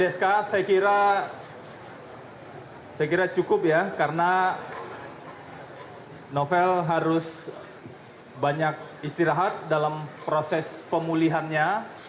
sk saya kira cukup ya karena novel harus banyak istirahat dalam proses pemulihannya